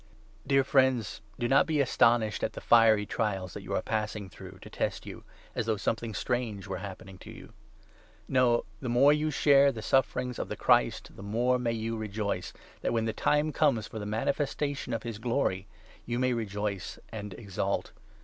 Dear friends, do not be astonished at the fiery 12 .Aals that you are passing through, to test you, as though something strange were happening to you. No, the more you share the sufferings of the Christ, 13 the more may you rejoice, that, when the time comes for the manifestation of his Glory, you may rejoice and exult.